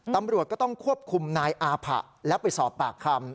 ตำรวจก็ต้องควบคุมนายอาผะแล้วไปสอบปากคำ